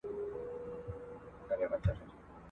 چي هر څومره لوی موجونه پرې راتلله !.